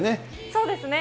そうですね。